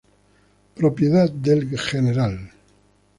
Propiedad del Gral.